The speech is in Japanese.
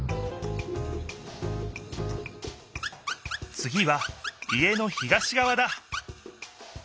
つぎは家の東がわだ！